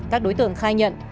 các đối tượng khai nhận